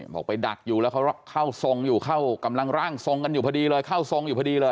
บอกไปดักอยู่แล้วเขาเข้าทรงอยู่เข้ากำลังร่างทรงกันอยู่พอดีเลยเข้าทรงอยู่พอดีเลย